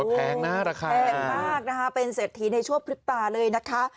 แพงนะราคาแพงมากนะคะเป็นเศรษฐีในชั่วพริบตาเลยนะคะ